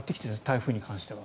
台風に関しては。